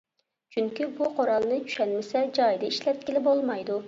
چۈنكى، بۇ قورالنى چۈشەنمىسە جايىدا ئىشلەتكىلى بولمايدۇ.